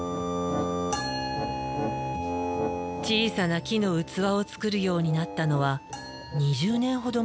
小さな木の器を作るようになったのは２０年ほど前。